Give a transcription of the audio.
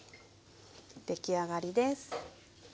出来上がりです。